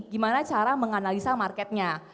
gimana cara menganalisa marketnya